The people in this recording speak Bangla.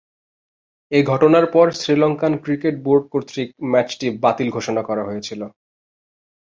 এই ঘটনার পর শ্রীলঙ্কান ক্রিকেট বোর্ড কর্তৃক ম্যাচটি বাতিল ঘোষণা করা হয়েছিল।